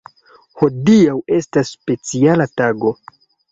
Hodiaŭ estas speciala tago.